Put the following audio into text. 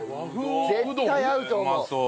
絶対合うと思う。